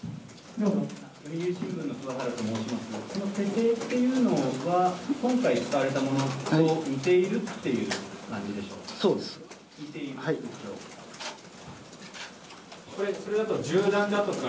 手製というのが今回使われたものと似ているという感じでしょうか。